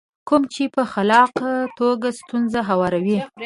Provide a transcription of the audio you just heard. کوم چې په خلاقه توګه ستونزې هواروي.